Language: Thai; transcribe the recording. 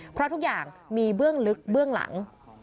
เพราะทุกอย่างมีเบื้องลึกเบื้องหลัง